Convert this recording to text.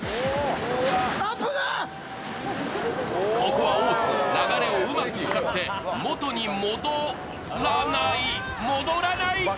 ここは大津、流れをうまく使って元にもどらない、戻らない！